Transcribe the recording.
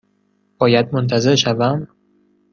باید منتظر شوم؟